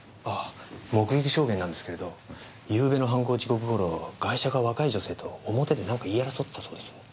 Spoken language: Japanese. あ目撃証言なんですけれどゆうべの犯行時刻頃ガイシャが若い女性と表で何か言い争ってたそうです。